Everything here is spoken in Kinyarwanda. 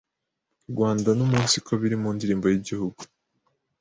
rwanda numunsiko biri mu ndirimbo y’Igihugu